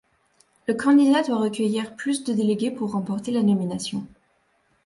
Le candidat doit recueillir plus de délégués pour remporter la nomination.